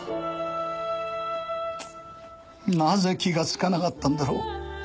なぜ気がつかなかったんだろう。